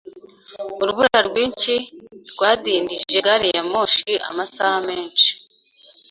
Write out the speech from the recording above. Urubura rwinshi rwadindije gari ya moshi amasaha menshi.